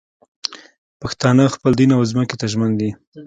پښتانه خپل دین او ځمکې ته ژمن دي